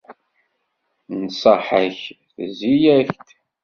Nnṣaḥa-k tezzi-yak-d!